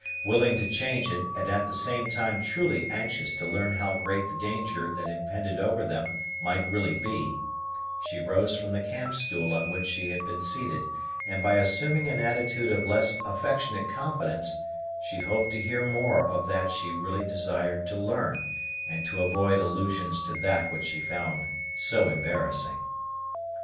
Willing to change it, and at the same time truly anxious to learn how great the danger that impended over them might really be, she rose from the camp stool on which she had been seated; and, by assuming an attitude of less affectionate confidence, she hoped to hear more of that she really desired to learn, and to avoid allusions to that which she found so embarrassing.